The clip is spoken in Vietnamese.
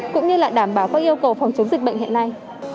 cũng như là đảm bảo các yêu cầu phòng chống dịch bệnh hiện nay